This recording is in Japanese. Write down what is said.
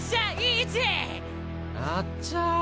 あっちゃ。